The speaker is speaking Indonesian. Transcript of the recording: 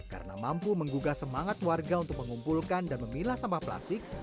karena mampu menggugah semangat warga untuk mengumpulkan dan memilah sampah plastik